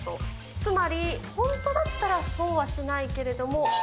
つまり、本当だったらそうはしないけれども。